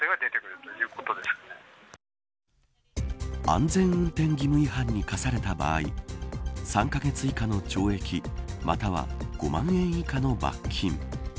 安全運転義務違反に科された場合３カ月以下の懲役、または５万円以下の罰金。